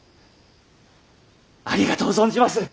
ありがとう存じまする！